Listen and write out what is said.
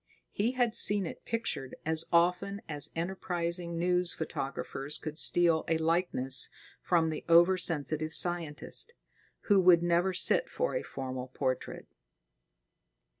He had seen it pictured as often as enterprising news photographers could steal a likeness from the over sensitive scientist, who would never sit for a formal portrait.